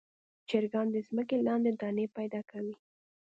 چرګان د ځمکې لاندې دانې پیدا کوي.